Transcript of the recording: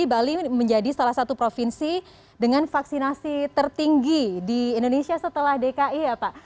bali menjadi salah satu provinsi dengan vaksinasi tertinggi di indonesia setelah dki ya pak